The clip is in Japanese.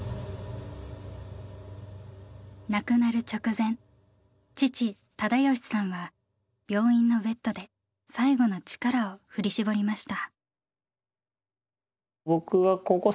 亡くなる直前父忠喜さんは病院のベッドで最後の力を振り絞りました。